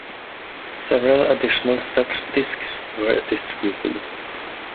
Several additional such discs were distributed.